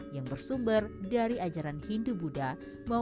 yang bersumber dari ajaran hindu buddha